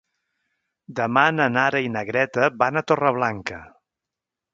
Demà na Nara i na Greta van a Torreblanca.